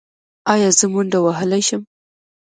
ایا زه منډه وهلی شم؟